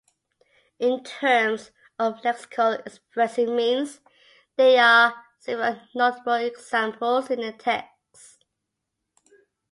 In terms of lexical expressive means, there are several notable examples in the text.